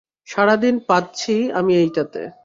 সারাদিন, পাদছি আমি এইটাতে।